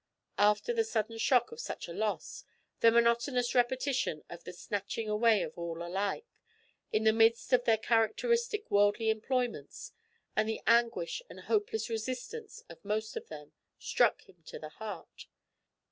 After the sudden shock of such a loss, the monotonous repetition of the snatching away of all alike, in the midst of their characteristic worldly employments, and the anguish and hopeless resistance of most of them, struck him to the heart.